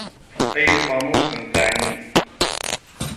أي قاموس تعنيه ؟